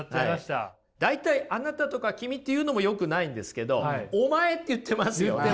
大体「あなた」とか「君」って言うのもよくないんですけど「お前」って言ってますよね？